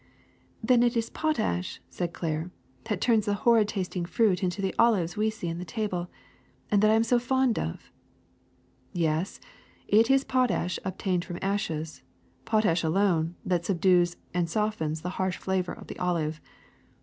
^' ^^Then it is potash,'^ said Claire, ^Hhat turns the horrid tasting fruit into the olives we see on the table, and that I am so fond of. '* *'Yes, it is the potash obtained from ashes, potash alone, that subdues and soft ens the harsh flavor of the olive.